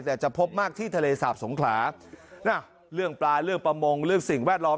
แต่จะพบมากที่ทะเลสาบสงขลาน่ะเรื่องปลาเรื่องประมงเรื่องสิ่งแวดล้อม